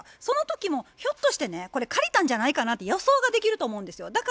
そのときもひょっとしてねこれ借りたんじゃないかなって予想ができると思うんですよ。